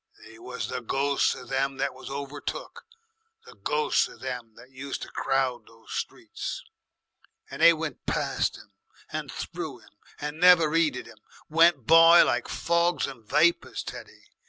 They was the ghosts of them that was overtook, the ghosts of them that used to crowd those streets. And they went past 'im and through 'im and never 'eeded 'im, went by like fogs and vapours, Teddy.